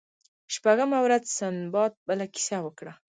شپږمه ورځ سنباد بله کیسه وکړه.